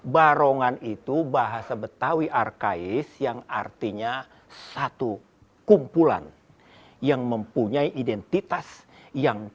barongan itu bahasa betawi arkais yang artinya satu kumpulan yang mempunyai identitas yang